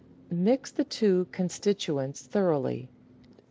Mix the two constituents thoroughly.